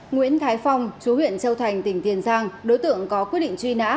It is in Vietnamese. nguyễn thái phong chú huyện châu thành tỉnh tiền giang đối tượng có quyết định truy nã